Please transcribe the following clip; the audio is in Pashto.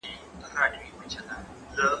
زه مکتب نه خلاصیږم!.